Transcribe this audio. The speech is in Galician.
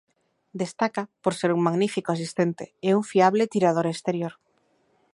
Destaca por ser un magnífico asistente e un fiable tirador exterior.